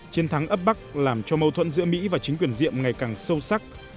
chiến thắng ấp bắc làm cho mâu thuẫn giữa mỹ và chính quyền diệm ngày càng sâu sắc